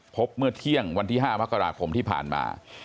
พบเมื่อเที่ยงวันที่๕มกราคมที่ผ่านมา